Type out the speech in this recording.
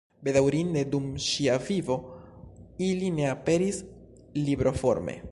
Bedaŭrinde dum ŝia vivo ili ne aperis libroforme.